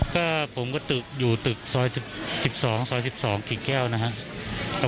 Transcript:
ก็ผมก็ตึกอยู่ตึกซอย๑๒ซอย๑๒กิ่งแก้วนะครับ